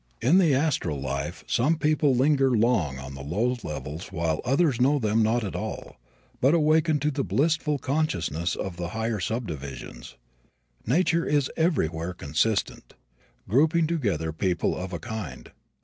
In the astral life some people linger long on the lower levels while others know them not at all, but awaken to the blissful consciousness of the higher subdivisions. Nature is everywhere consistent, grouping together people of a kind.